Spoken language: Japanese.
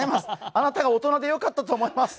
あなたが大人でよかったと思います。